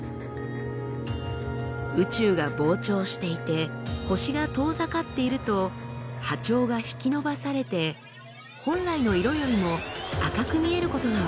宇宙が膨張していて星が遠ざかっていると波長が引きのばされて本来の色よりも赤く見えることが分かっています。